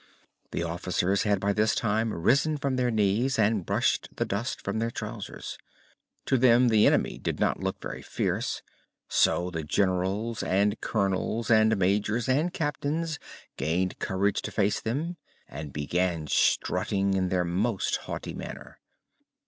The officers had by this time risen from their knees and brushed the dust from their trousers. To them the enemy did not look very fierce, so the Generals and Colonels and Majors and Captains gained courage to face them and began strutting in their most haughty manner.